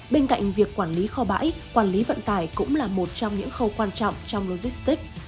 bên cạnh việc quản lý kho bãi quản lý vận tải cũng là một trong những khâu quan trọng trong logistics